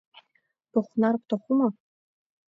Быхәнар бҭахума?